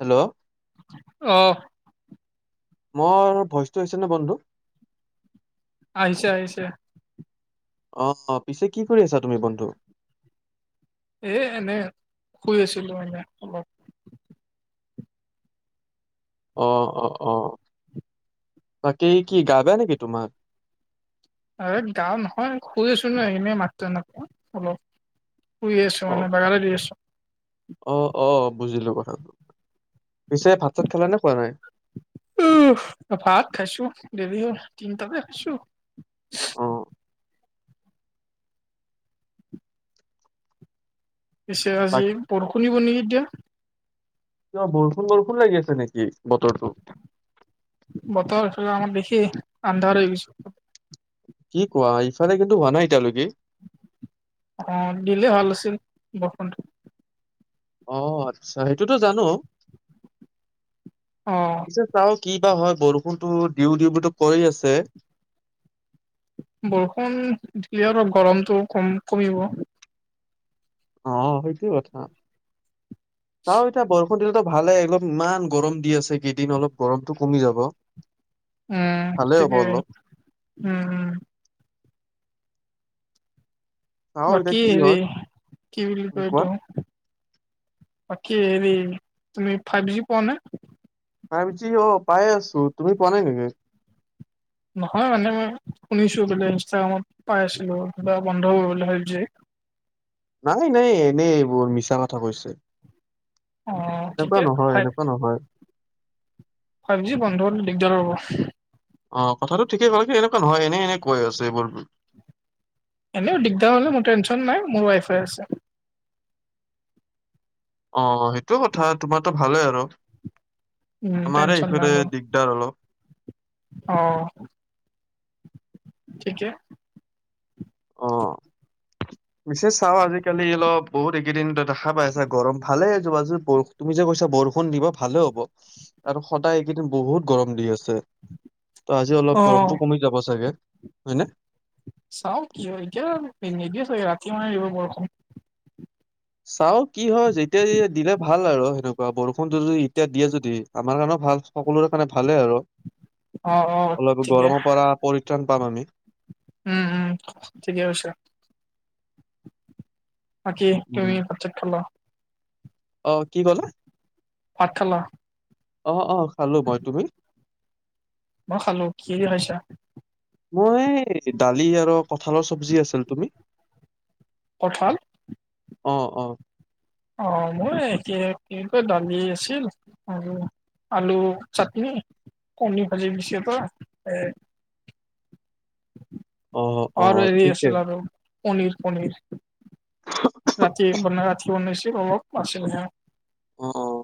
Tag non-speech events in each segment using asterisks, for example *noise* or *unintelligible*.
Hello অহ। মোৰ ভইচটো হৈছে ন বন্ধু। আহিছে আহিছে। অহ অঁ পিছে কি কৰি আছা তুমি বন্ধু? এ এনে শুই আছিলো মনে অলপ। অ অ অ বাকী কি গা বেয়া নেকি তোমাৰ? গাও নহয় শুই আছো ন এনেই মাত্ৰ নহয় অলপ। শুই আছো অ মানে বাগাৰে দি আছো। অ অ বুজিলো কথাটো। পিছে ভাত চাত খালা নে খোৱা নাই উম ভাত খাইচো দেৰি হ'ল। কিন্তা বাই খাইছু। অ পিছে আজি বৰষুণ দিব নেকি এতিয়া। কিবা বৰষুণ বৰষুণ লাগি আছে নেকি বতৰটো। বতৰ ইফালে আমাৰ বেছি আন্ধাৰ হৈ গৈছে। কি কোৱা ইফালে কিন্তু হোৱা নাই এতিয়ালৈকে। অ দিলে ভাল আছিল বৰষুণটো। অ আচ্ছা সেইটোতো জানো অ পিছে চাওক কি বা হয় বৰষুণতো দিওঁ দিওঁ তো কৰি আছে। বৰষুণ দিলে আৰু গৰমটো কম কমিব। অ সেইটোয়ে কথা তাৰ এতিয়া বৰষুণ দিলো ভালেই- অলপ ইমান গৰম দি আছে কেইদিন অলপ গৰমতটো কমি যাব। উম ভালে হ'ব ঠিকেই অলপ উম উম। চাও এতিয়া বাকী কি হেৰি হয় কি বুলি কয় কোৱা এইটো বাকী হৰি তুমি ফাইভ জি পোৱা নে? ফাইভ জি অ পাই আছো তুমি পোৱা নাই নেকি? নহয় মানে মই শুনিছো বোলে ইনষ্টাগ্ৰামত পাই আছিলো কিবা বন্ধ কৰিব বোলে ফাইপ জি। নাই নাই এনেই এইবোৰ মিছা কথা কৈছে। অ' এনেকুৱা ঠিকে নহয় এনেকুৱা নহয়। ফাইপ জি বন্ধ হ'লে দিগদাৰ হ'ব। অ কথাটো ঠিকেই ক'লে কিন্তু এনেকুৱা নহয় এনে এনে কৈ আছে এইবোৰ। এনেও দিগদাৰো নাই মোৰ টেনশ্যন নাই মোৰ উৱাই ফাই আছে। অ', সেইটোও কথা তোমাৰো ভালেই আৰু। উম, আমাৰে টেনচন নাই এইফালে মোৰ দিগদাৰ অলপ। অ', ঠিকে। অ'। পিছে চাও আজিকালি অলপ বহুতকেইদিন দেখা পাই আছা গৰম ভালে য'ত আজি তুমি যে কৈছা বৰষুণ দিব ভালে হ'ব আৰু সদায় এইকেইদিন বহুত গৰম দি আছে। ত' আজি অলপ গৰমতটো অ'। কমি যাব চাগে হয় নে? চাও কি হয় এতিয়া নিদিয়ে চাগে ৰাতি মানে দিব বৰষুণ। চাও কি হয় যেতিয়া দিলে ভাল আৰু সেনেকুৱা বৰষুণটো যদি এতিয়া দিয়ে যদি আমাৰ কাৰণেও ভাল সকলোৰে কাৰণে ভালেই আৰু অ' অ'। অলপ ঠিকে গৰমৰ পৰা পৰিত্ৰাণ পাম আমি। উম, উম, উম ঠিকে আছে। বাকি উম। তুমি ভাত-চাত খালা? অ', কি ক'লা? ভাত খালা? অ', অ', খালোঁ মই, তুমি? ম‌ই খালোঁ। কিহেদি খাইছা? মই এই দালি আৰু কঠালৰ চব্জি আছিল, তুমি? কঠাল? অ', অ'। অ', মই একে একে দালি আছিল আৰু আলু চাট্‌নি, কণী ভাজি দিছে এটা অ অ আৰু হেৰি ঠিকে আছিল আৰু পনীৰ পনীৰ ৰাতি বনাই ৰাতি বনাইছিল অলপ আছিলে অ'।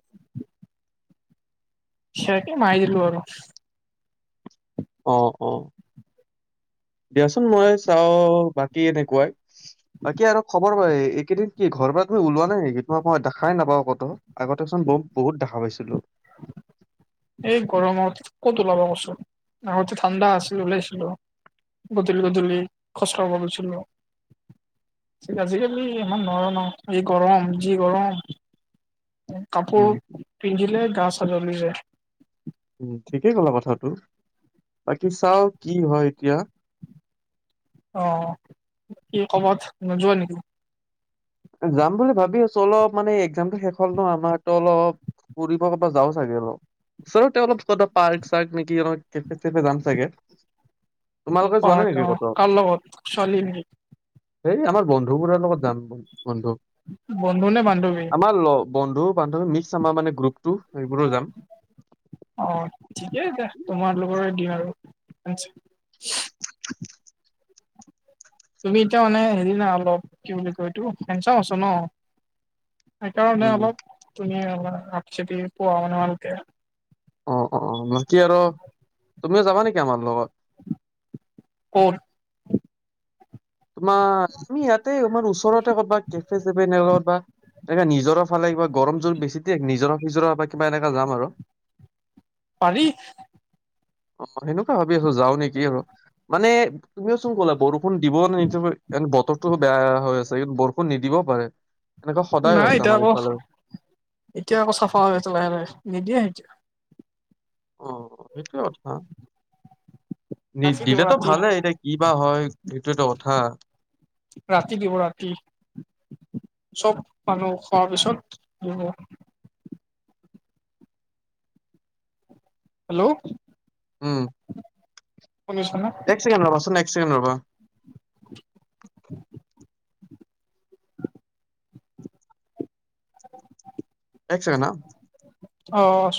সেয়াকে মাৰি দিলো আৰু। অ', অ'। দিয়াচোন মই চাওঁ বাকী এনেকুৱাই, বাকী আৰু খবৰ এইকেইদিন কি ঘৰ পৰা তুমি ওলোৱা নাই নেকি? তোমাক মই দেখাই নাপাওঁ ক'তো, আগতেচোন বম বহুত দেখা পাইছো ছিলো। এই গৰমত, ক'ত ওলাবা কচোন আগতে ঠাণ্ডা আছিল ওলাইছিলোঁ। গধূলি গধূলি খোচ কাৰবা গৈছিলো। আজিকালি ইমান নোৱাৰ ন', এই গৰম যি গৰম। কাপোৰ উম পিন্ধিলে গা চা জ্বলি যায়। উম, ঠিকেই ক'লা কথাটো। বাকী চাওঁ কি হয় এতিয়া। অ', কি কবাত নোযোৱা নেকি? যাম বুলি ভাবি আছো, অলপ মানে একজামটো শেষ হ'ল ন' আমাৰ ত' অলপ ফুৰিব কৰবাত যাওঁ চাগে অলপ। ওচৰতে অলপ কতবা পাৰ্ক-চাৰ্ক নেকি কেফে-চেফে যাম চাগে। তোমালোকে যোৱা নাই পাৰ্ক নেকি অ' ক'তো কাৰ লগত ছোৱালী নেকি? এই আমাৰ বন্ধুবোৰৰ লগত যাম বন্ধু। বন্ধু নে বান্ধৱী আমাৰ লগ বন্ধু-বান্ধৱী মিক্স আমাৰ মানে গ্ৰুপটো। সেইবোৰো যাম অ', ঠিকে আছে তোমাৰ লগৰ দিয়া আৰু। *inaudible* তুমি এতিয়া মানে হেৰি নাই অলপ কি বুলি কয় এইটো হেন্ডচাম আছো ন'। সেইকাৰণে উম অলপ ধুনীয়া আপি-চাপি পোৱা মানে ভালকে। অ', অ', অ', বাকী আৰু তুমিও যাবা নেকি আমাৰ লগত? ক'ত? তোমাৰ তুমি ইয়াতে তোমাৰ ওচৰতে কৰবাত কেফে- চেফে *unintelligible* নিজৰা ফালে কিবা গৰম জত বেছি দিয়ে নিজৰা-ফিজৰা বা কিবা এনেকা যাম আৰু। পাৰি। অ', সেনেকুৱা ভাবি আছো যাও নেকি আৰু মানে তুমিও চোন কলা বৰষু। বৰষুণ দিব নে নিদিব এনে বতৰটো বেয়া হৈ আছে কি বৰষুণ নিদিবও পাৰে। এনেকুৱা সদায় নাই হৈছে এতিয়া আমাৰ আকৌ ইফালে এতিয়া আকৌ চাফা হৈ‌ আছে লাহে লাহে নিদিয়ে এতিয়া। অ', সেইটোৱে কথা। নি ৰাতি দিব দিলেতো ৰাতি ভালে এতিয়া কি বা হয় সেইটোৱেইটো কথা। ৰাতি দিব ৰাতি চব। মানুহ খোৱাৰ পিছত দিব। হেল্ল'। উম শুনিছা না এক চেকেণ্ড ৰবাচোন এক চেকেণ্ড ৰবা। এক চছেকেড ন অচ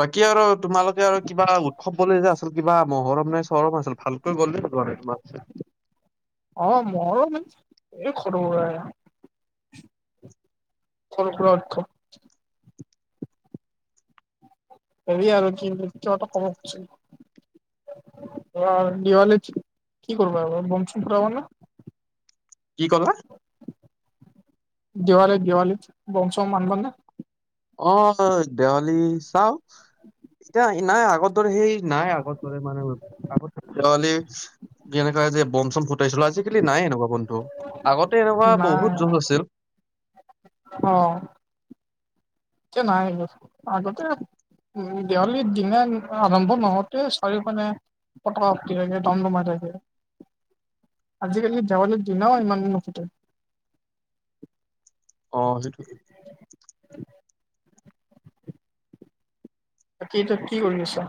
বাকী আৰু তোমালোকে আৰু কিবা উৎসৱ বুলিলে যে আচল কিবা মহৰম নাই চৰফ আচল ভালকৈ গ'লে তম তম অ মোৰো মানে এই খৰ চলটো *unintelligible* হেৰি আৰু কিন্ত কটা ক'ব খুছ *unintelligible* দিৱালে কি কৰবাৰ বম চুম ফৰাাব ন কি কলা দিৱালীত দিৱালীত বশ মানব নে অ দেৱালী চাও এতিয়া নাই আগত ৰে সেই নাই আগৰ দৰে মানে আগতলে এনেুৱা যে বম চম ফুটাইছিলো আজিকালি নাই এনেকুৱা আগতে এনেকুৱা বহুত নাই যুঁজ আছিল অ চন আহিল আগতে *unintelligible* উ দেৱালীৰ দিনা আৰম্ভ নহওঁতে চাৰি মানে পটতি থাকে দাডু মাৰাকে *unintelligible* আজিকালি দেৱালীৰ দিনাও ইমান নুফুটে অ সেইটো বাকী এতিয়া কি কৰিছা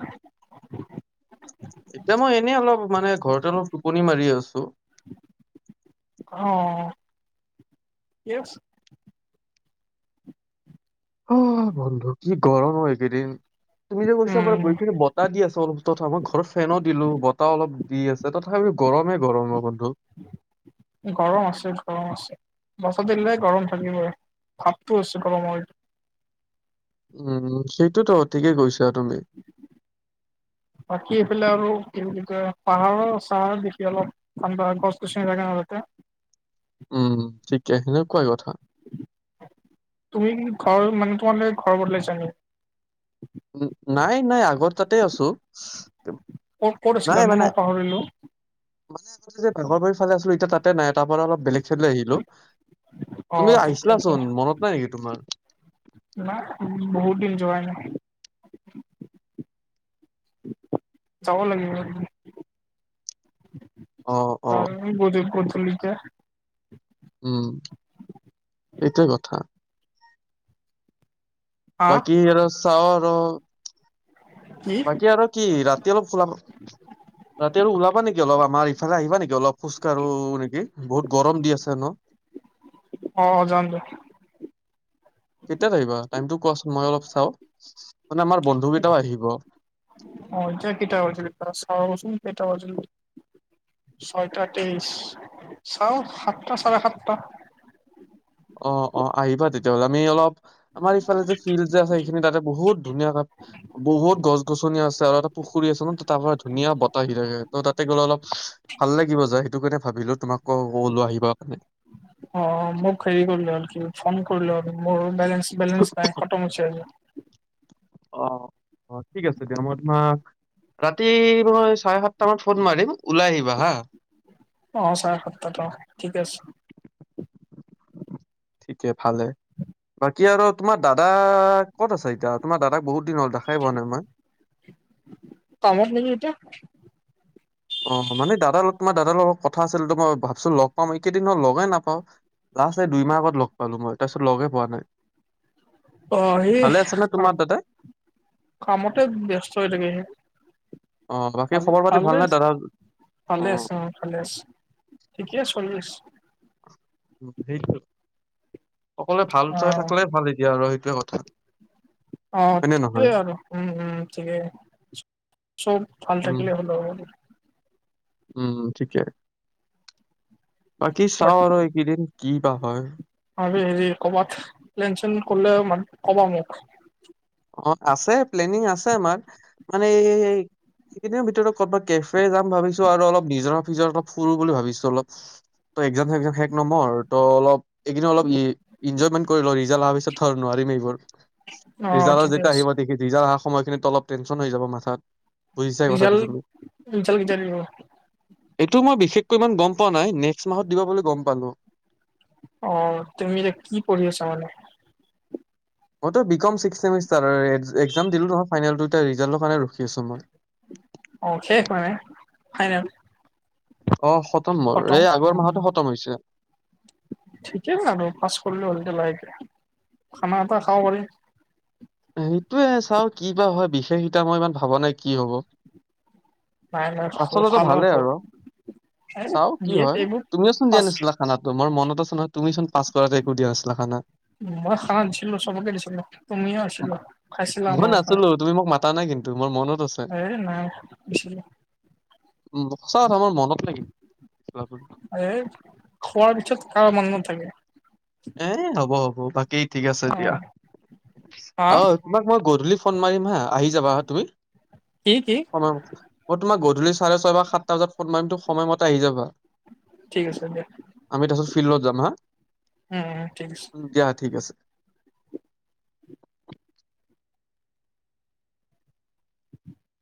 এতিয়া মই এনেই অলপ মানে ঘৰতে অলপ টোপনি মাৰি আছো আহ অ বন্ধু কি গৰম হয় এইকেইদিন তুমি যে কৈছা পাৰা ব উম এইখিনি বতাহ দি আছে অলপ তথা মই ঘৰৰ ফেনো দিলো বতাহ অলপ দি আছে তথাপি গৰমে গৰম অ বন্ধু। গৰম আছে গৰম আছে বছাতেিলে গৰম থাকিব আৰু ভাপটোছে গৰম হয়টো *unintelligible* উম সেইটোতো ঠিকেই গৈছা তুমি বাকী এইফালে আৰু কি বুলি কয় পাহাৰৰ চাহাৰ দেখি অলপ ঠাণ্ডা গছ গছনি লাগে তাতে উম ঠিকে সেনেকোৱাই কথা তুমি কি ঘৰ মানে তোমালে ঘৰ বদলাইছে নি নাই নাই আগত তাতে আছো ক'ত ক'ত আছিলা নাই নো মানে মই পাহৰিলো মানে আগতে যে ভোগৰ ভাৰ ফালে আছিলো এতিয়া তাত ত নাই তাৰ পৰাৰা অলপ বেলেগ চাইলে আহিলো অ তুমি ঠিকে আহিছিলাচোন মনত নাই নেকি তোমাৰ ন বহু দমজাই ন *unintelligible* যাব লাগিব অ ত অ বজত পচলি *unintelligible* ক উম সটোোৱ কথা। হা বাকি এ ৰ চাও আৰু কি বাকী আৰু কি ৰাতি অলপ খলাবা ৰাতি অলপ ওলাবা নেকি। নে অলপ আমাৰ ইফালে আহিবা নেকি অলপ খোজকাঢ়ো নেকি বহুত গৰম দি আছে ন। অ 'অ' জাম কেতিয়া আহিবা। টাইমতটো কোৱাচোন মই অলপ চাও। মানে আমাৰ বন্ধু কেইটাও আহিব অ' এতিয়া কেইটা বাজিল। ৰচোন কেইটাবাজিলে *unintelligible* ছয়টা তেইশ চাও সাতটা চাৰে সাতটা অ 'অ' আহিবা তেতিয়াহ'লে আমি অলপ আমাৰ ইফালে যে ফিল্ড যে হয় এইখিনি তাতে বহুত ধুনীয়া তাত বহুত গছ গছনি আছে আৰু এটা ফুৰি আছো তাৰপৰ ধুনীয়া বতাহ আহি থাকে। ত' তাতে গ'লে অলপ ভাল লাগিব যায়। সেইটো কাৰণে ভাবিলো তোমাক কলো আহিবা কাৰণে অ' মোক হেৰি কৰিলে আৰু কি ফোন কৰিলে মোৰ বলেঞ্চস না খটম হৈছে। অ অ ঠিক আছে দিয়া মই তোমাক ৰাতি মই চাৰে সাতটামান ফোন মাৰিম ওলাই আহিবা হা অ চাৰে সাতটাৰ ঠিক আছে *inaudible* ঠিকে ভালে বাকী আৰু তোমাৰ দাদা ক'ত আছে। এতিয়া তোমাৰ দাদাক বহুত দিন হ'ল দেখাই পোৱা নাই মই। কামত নেকি এতিয়া অ মানে দাদাৰ লগত মই দাদাৰ লগত কথা আছিলো মই ভাবছো লগ পাম এইকেইদিন লগে নাপাওঁ। লাষ্ট দুই মাহ আগত লগ পালো। মই তাৰপিছত লগে পোৱা নাই। অ সেই ভালে আছে নে তোমাৰ দাদাই *inaudible* কামতে ব্যস্ত হৈ থাকে সেই অ বাকী খবৰ *inaudible* পাতি ভাল ভালনে দাদা ভালে আছো ভালে আছো অ ভালে আছো। ঠিকেয়ে চোলি আছে। সেইটো অকলে ভাল অ চোলি থাকলে ভাল এতিয়া আৰু সেইটোৱে কথা। অ হয়নে নহয় সিটোয়ে আৰু উম উম ঠিকেই চব ভাল উম থাকিলে উম ঠিকে বাকী বাট চাওঁ আৰু এইকেইদিন কি বা হয়। হেৰি কৰবাত লেন চেন কৰিলে মান কবা মোক *inaudible* অ আছে প্লেনিং আছে আমাৰ মানে এই সেইখিনি ভিতৰত কৰ'ৰবাত কেফে যাম ভাবিছো আৰু অলপ নিজৰ ফিজৰাত অলপ ফুৰো বুলি ভাবিছো অলপ ত এক্সাম চেগ শেষ নমৰ ত অলপ এইন অলপ এনজয়মেন্ট কৰি ল *unintelligible* পিছত থৰ নোৱাৰিম এইবোৰ অ ৰিজালৰ ঠিকে যেতিয়া আছে আহিবৰিজাল সময়খিনিত অলপ টেনচন আহি যাব মাথাত বুজিছোয় ৰিজাল্ট কথাটোত ৰিজাল্ট কেতিয়া দিব *inaudible* এইটো মই বিশেষকৈ ইমান গম পোৱা নাই নেক্সট মাহত দিবা বুলি গম পালো। *inaudible* অ তুমি যে কি পঢ়ি আছা মানে *inaudible* মইতো বি কম ছিক্সমষ্টাৰ এক্সাম দিলো নহয়। ফাইনেল ৰিজাৰ্ভ কাৰণে ৰখি আছো মই। *unintelligible* অ শেষ মানে ফাইনেল। অ মোৰ খতম এই আগৰ মাহতে খতম হৈছে। থিঠিকেই মানে পাচ কৰলে হল। খানা এটা খাব পাৰি। সেইটোয়ে চাও কি বা হয় বিশেষ এটা মই ইমান ভাবা নাই কি হব নাই নাই *inaudible* ভাল পাচলতো ভাল ভালেই হ'ব আৰু এ *inaudible* চাও কি বি এড হয় এইবোৰ তুমিওচোন দিয়া পাছ নাছিলা খানাটো মোৰ মনত আছে নহয় তুমি চোন পাছ কৰাতে একো দিয়া হৈছিলা খানা। মই খানা দিছিলো চবকে দিছিলো তুমিও আ ম- খাইছিলা মই আমাৰ পৰা নাছিলো তুমি মোক মাতা নাই কিন্তু মোৰ মনত আছে এ নাইছিলো *inaudible* *unintelligible* আৰে খোৱাৰ পিছত কাৰো মোনত নাথাকে এ হ'ব হ'ব বাকী ঠিক আছে অ দিয়া হা অ তোমাক মই গধূলি ফোন মাৰিম হা আহি যাবা হা তুমি কি কি তোমাৰ গধূলি চাৰে ছয় বা সাত সাতটা বজাত পোনো সময়মতে আহি যাবা ঠিক আছে দিয়া *inaudible* ফিল্ড যাম হা উম উম ঠিক আছে উ দিয়া ঠিক আছে